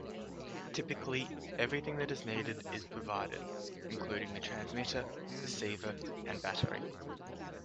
Typically, everything that is needed is provided, including the transmitter, receiver and battery.